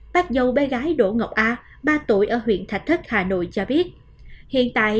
bác dâu bé gái đỗ ngọc a ba tuổi ở huyện thạch thất hà nội cho biết hiện tại